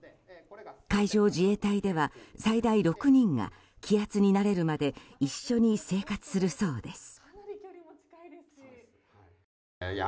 海上自衛隊では最大６人が気圧に慣れるまで一緒に生活するそうです。